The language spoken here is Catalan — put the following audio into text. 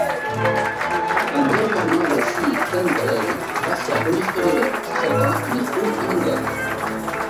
Andreu Casanovas i Cantarell va ser un historiador i sacerdot nascut a Manresa.